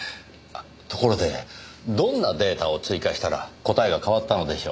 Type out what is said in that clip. ところでどんなデータを追加したら答えが変わったのでしょう？